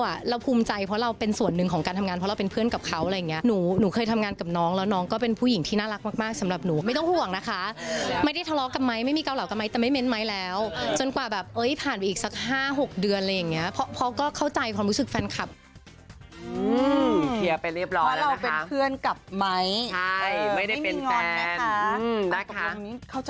เราคือพูมใจเพราะเราเป็นส่วนหนึ่งของการทำงานเพราะเราเป็นเพื่อนกับเขา